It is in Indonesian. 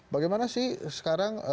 bagaimana sih sekarang